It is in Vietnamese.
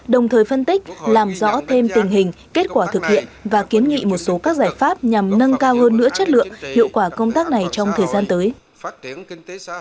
đồng thời phân tích làm rõ thêm tình hình kết quả thực hiện và kiến nghị một số các giải pháp nhằm nâng cao hơn nữa chất lượng hiệu quả công tác này trong thời gian tới